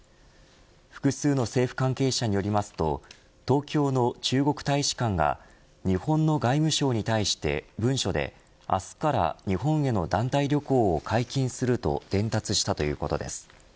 複数の政府関係者によりますと東京の中国大使館が日本の外務省に対して文書で、明日から日本への団体旅行を解禁すると伝達したということです。